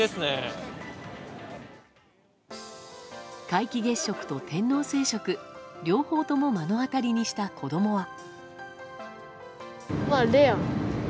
皆既月食と天王星食両方とも目の当たりにした子供は。